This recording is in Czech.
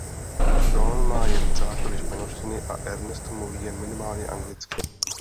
Sean má jen základy španělštiny a Ernesto mluví jen minimálně anglicky.